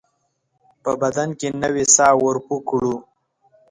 په بدن کې نوې ساه ورپو کړو